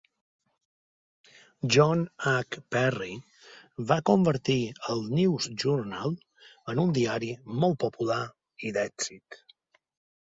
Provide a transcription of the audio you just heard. John H. Perry va convertir el "News Journal" en un diari molt popular i d'èxit.